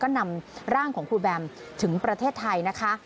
ก็นำร่างของครูแบมถึงประเทศไทยนะคะ